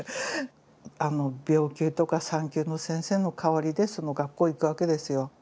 病気とか産休の先生の代わりでその学校へ行くわけですよ。